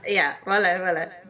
iya boleh boleh